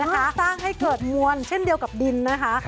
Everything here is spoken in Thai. สร้างให้เกิดมวลเช่นเดียวกับดินนะคะ